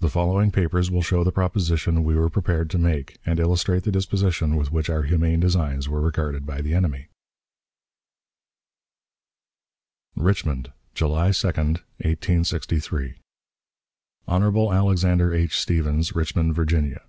The following papers will show the proposition we were prepared to make, and illustrate the disposition with which our humane designs were regarded by the enemy: "RICHMOND, July 2, 1863. "Hon. ALEXANDER H. STEPHENS, _Richmond, Virginia.